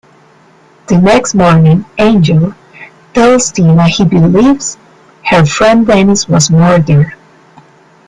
The next morning, Angel tells Tina he believes her friend Denise was murdered.